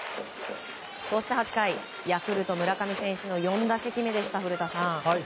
そして８回、ヤクルト村上選手の４打席目でした。